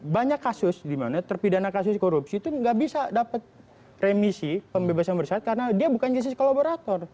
banyak kasus dimana terpidana kasus korupsi itu nggak bisa dapat remisi pembebasan bersyarat karena dia bukan justice collaborator